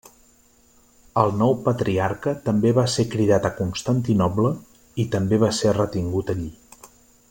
El nou patriarca també va ser cridat a Constantinoble, i també va ser retingut allí.